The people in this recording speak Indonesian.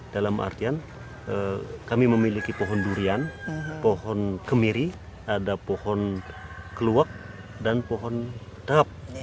dalam artian kami memiliki pohon durian pohon kemiri ada pohon keluak dan pohon dahab